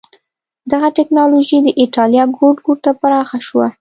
دغه ټکنالوژي د اېټالیا ګوټ ګوټ ته پراخه شوه.